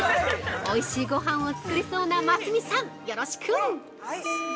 おいしいご飯をつくりそうなますみさん、よろしく！